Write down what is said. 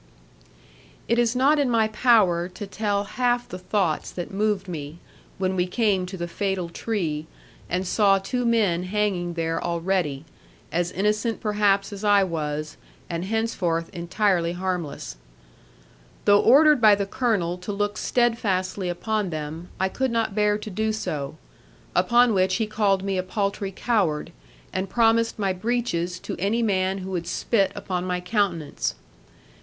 It is not in my power to tell half the thoughts that moved me, when we came to the fatal tree, and saw two men hanging there already, as innocent perhaps as I was, and henceforth entirely harmless. Though ordered by the Colonel to look steadfastly upon them, I could not bear to do so; upon which he called me a paltry coward, and promised my breeches to any man who would spit upon my countenance.